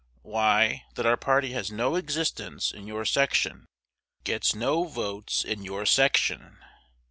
Why, that our party has no existence in your section, gets no votes in your section.